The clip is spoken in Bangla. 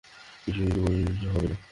কি বলিস কিছু হবে না?